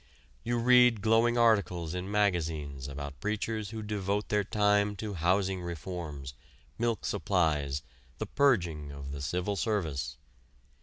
You read glowing articles in magazines about preachers who devote their time to housing reforms, milk supplies, the purging of the civil service.